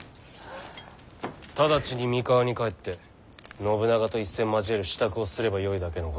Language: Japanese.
直ちに三河に帰って信長と一戦交える支度をすればよいだけのこと。